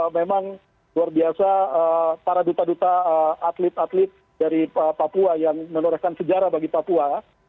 memang luar biasa para duta duta atlet atlet dari papua yang menorehkan sejarah bagi papua